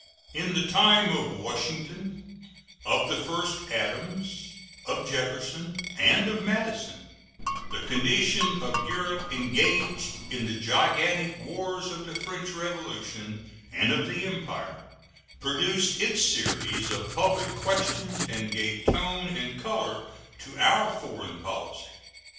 In the time of Washington, of the first Adams, of Jefferson, and of Madison the condition of Europe, engaged in the gigantic wars of the French Revolution and of the Empire, produced its series of public questions and gave tone and color to our foreign policy.